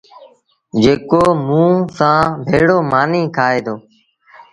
جيڪو موٚنٚ سآݩٚ ڀيڙو مآݩيٚ کآئي دو